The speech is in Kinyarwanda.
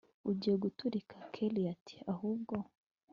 ugiye guturika kellia ati ahubwo